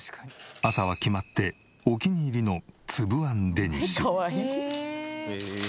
朝は決まってお気に入りの粒あんデニッシュ。